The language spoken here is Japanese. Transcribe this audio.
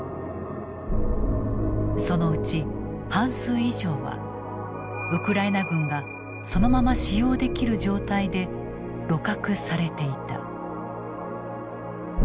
そのうち半数以上はウクライナ軍がそのまま使用できる状態で鹵獲されていた。